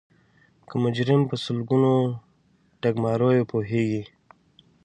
هر مجرم په سلګونو ټګماریو پوهیږي